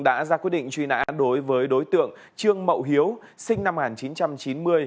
đã ra quyết định truy nã đối với đối tượng trương mậu hiếu sinh năm một nghìn chín trăm chín mươi